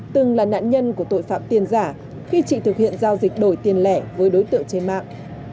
từng là nạn nhân của tội phạm tiền giả khi chị thực hiện giao dịch đổi tiền lẻ với đối tượng trên mạng